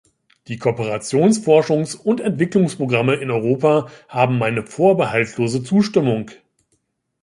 Die Kooperationsforschungs- und Entwicklungsprogramme in Europa haben meine vorbehaltlose Zustimmung.